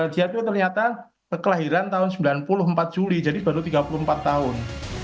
jihad itu ternyata kekelahiran tahun sembilan puluh empat juli jadi baru tiga puluh empat tahun